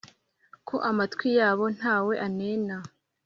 Ko amatwi yabo ntawe anena